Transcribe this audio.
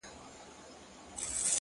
مثبت چلند د چاپېریال فضا بدلوي!.